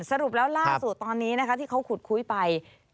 สรุปแล้วล่าสุดตอนนี้นะคะที่เขาขุดคุยไป